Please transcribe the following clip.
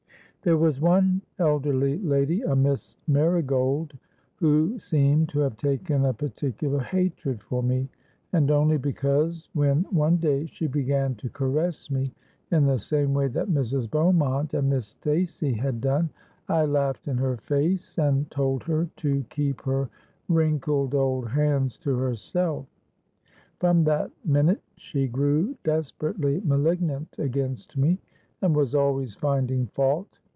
"There was one elderly lady—a Miss Marigold—who seemed to have taken a particular hatred for me; and only because when, one day, she began to caress me in the same way that Mrs. Beaumont and Miss Stacey had done, I laughed in her face and told her to keep her wrinkled old hands to herself. From that minute she grew desperately malignant against me, and was always finding fault.